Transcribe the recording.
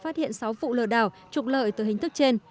phát hiện sáu vụ lừa đảo trục lợi từ hình thức trên